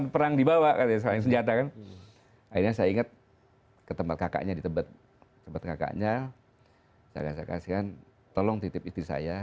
perangkat kan akhirnya saya ingat ke tempat kakaknya di tempat tempat kakaknya saya kasihkan tolong titip istri saya